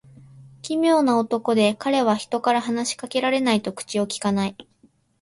奇妙な男で、彼は人から話し掛けられないと口をきかない。